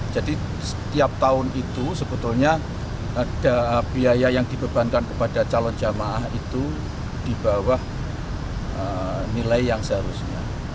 jadi setiap tahun itu sebetulnya ada biaya yang dibebankan kepada calon jamaah itu di bawah nilai yang seharusnya